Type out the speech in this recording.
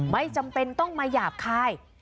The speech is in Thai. ไม่จำเป็นต้องมาหยาบคาย